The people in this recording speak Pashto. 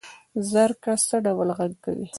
زرکه څه ډول غږ کوي؟